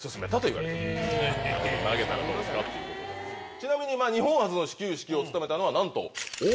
ちなみに日本初の始球式を務めたのは。